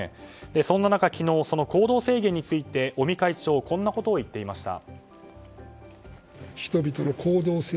そんな中、昨日行動制限について尾身会長はこんなことを言っていました。